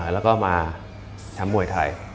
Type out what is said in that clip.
แล้วก็มาทำมวยไทย